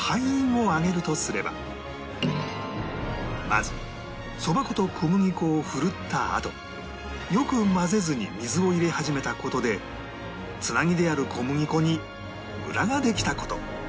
まずそば粉と小麦粉をふるったあとよく混ぜずに水を入れ始めた事で繋ぎである小麦粉にムラができた事